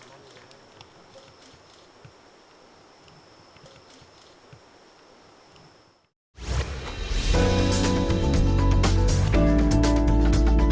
masuk pura pura dulu dia